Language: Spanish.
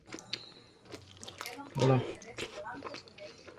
El siguiente diagrama muestra a las localidades en un radio de de Newton Grove.